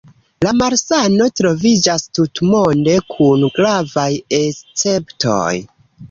La malsano troviĝas tutmonde, kun gravaj esceptoj.